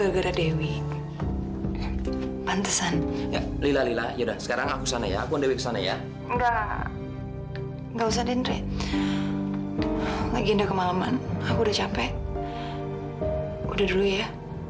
sampai jumpa di video selanjutnya